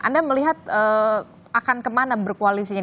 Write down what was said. anda melihat akan kemana berkoalisinya